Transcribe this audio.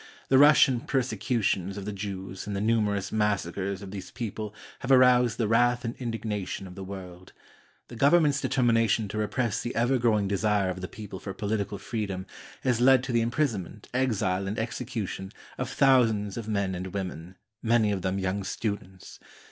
The Russian persecutions of the Jews and the numerous massacres of these people have arous&d the wrath and indignation of the world. The Gov ernment's determination to repress the ever growing desire of the people for political freedom has led to the imprison ment, exile, and execution of thousands of men and women, many of them young students.